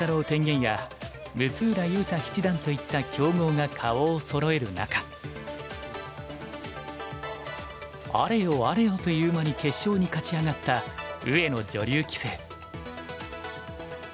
天元や六浦雄太七段といった強豪が顔をそろえる中あれよあれよという間に決勝に勝ち上がった上野女流棋聖。